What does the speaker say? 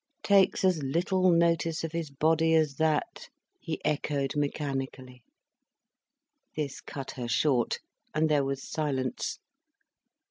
"—takes as little notice of his body as that," he echoed mechanically. This cut her short, and there was silence.